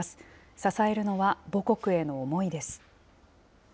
支えるのは、母国への思いです。